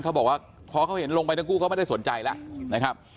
เขาบอกว่าพอเขาเห็นลงไปทั้งคู่เขาไม่ได้สนใจแล้วนะครับ